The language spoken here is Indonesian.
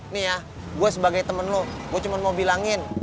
nih ya gue sebagai temen lo gue cuma mau bilangin